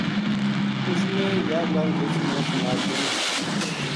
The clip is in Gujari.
اُس نے یاہ گل رچھ نا سُنا چھُڑی